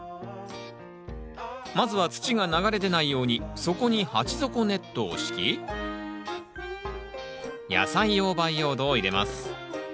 まずは土が流れ出ないように底に鉢底ネットを敷き野菜用培養土を入れます